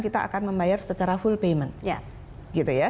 kita akan membayar secara full payment